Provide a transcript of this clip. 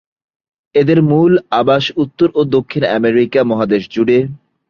এদের মূল আবাস উত্তর ও দক্ষিণ আমেরিকা মহাদেশ জুড়ে।